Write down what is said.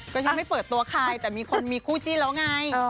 ก็ยังไม่เปิดตัวใครแต่มีคนมีคู่จิ้นแล้วไง